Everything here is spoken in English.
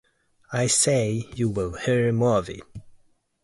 I say you will hear more of it.